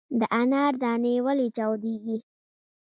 د انارو دانې ولې چاودیږي؟